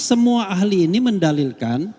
semua ahli ini mendalilkan